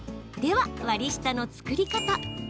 では割り下の作り方。